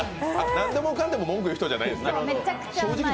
何でもかんでも文句言う人じゃないんですね。